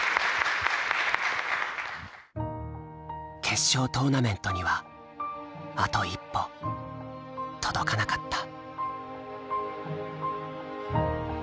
決勝トーナメントにはあと一歩届かなかった。